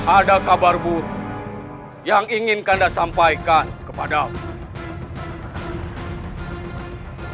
ada kabar buruh yang ingin kakanda sampaikan kepada aku